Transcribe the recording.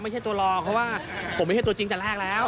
ไม่ใช่ตัวรอเพราะว่าผมไม่ใช่ตัวจริงแต่แรกแล้ว